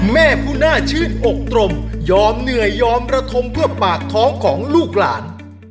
แม่ผู้น่าชื่นอกตรมยอมเหนื่อยยอมระทมเพื่อปากท้องของลูกหลาน